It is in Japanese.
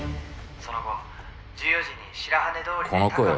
その後１４時に白羽通りで。